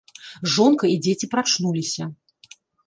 Жонка і дзеці прачнуліся.